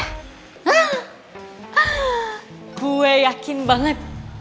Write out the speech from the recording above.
hah gue yakin banget